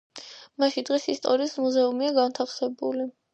მასში დღეს ისტორიის მუზეუმია განთავსებული.